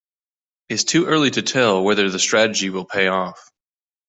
It's too early to tell whether the strategy will pay off.